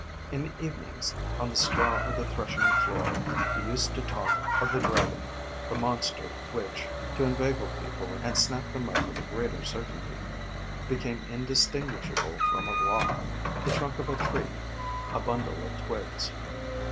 In the evenings, on the straw of the threshing floor, we used to talk of the Dragon, the monster which, to inveigle people and snap them up with greater certainty, became indistinguishable from a rock, the trunk of a tree, a bundle of twigs.